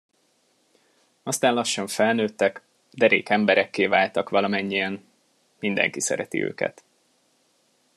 Aztán lassan felnőttek, derék emberekké váltak valamennyien, mindenki szereti őket.